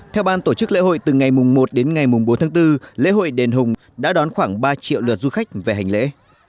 theo ban tổ chức lễ hội từ ngày một đến ngày bốn tháng bốn lễ hội đền hùng đã đón khoảng ba triệu lượt du khách về hành lễ